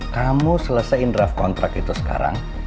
kamu selesain draft kontrak itu sekarang